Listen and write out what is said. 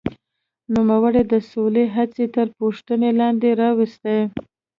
نوموړي د سولې هڅې تر پوښتنې لاندې راوستې.